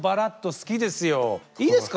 好きですよ。